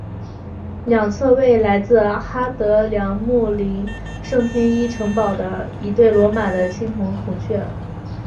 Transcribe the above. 两侧为来自哈德良陵墓圣天使城堡的一对罗马的青铜孔雀。